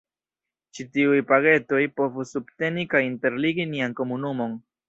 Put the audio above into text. Ĉi tiuj “pagetoj” povus subteni kaj interligi nian komunumon.